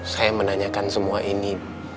saya menanyakan semua ini